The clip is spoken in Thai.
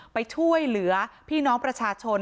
ไปช่วยเหลือพี่น้องประชาชน